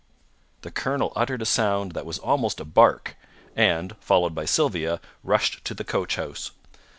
The colonel uttered a sound that was almost a bark, and, followed by Sylvia, rushed to the coachhouse.